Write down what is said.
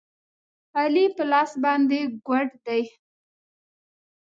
علي په لاس باندې ګوډ دی.